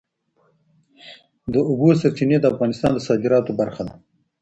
د اوبو سرچینې د افغانستان د صادراتو برخه ده.